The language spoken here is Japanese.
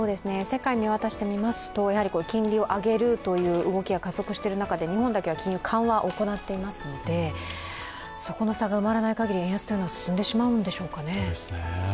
世界を見渡してみますと、金利を上げるという動きが加速している中で日本だけは金融緩和を行っていますのでそこの差が埋まらないかぎり円安は進んでしまうんでしょうか。